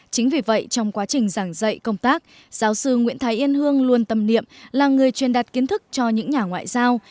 chính vì vậy trong quá trình giảng dạy công tác giáo sư nguyễn thái yên hương luôn tâm niệm là người truyền đặt kiến thức cho những nhà ngoại giao